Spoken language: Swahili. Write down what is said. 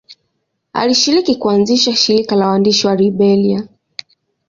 Alishiriki kuanzisha shirika la waandishi wa Liberia.